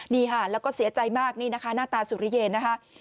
นี่ค่ะแล้วก็เสียใจมากนี่นะคะหน้าตาสุริเยนนะคะ